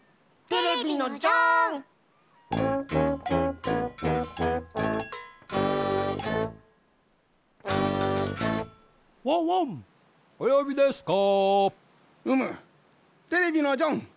テレビのジョン。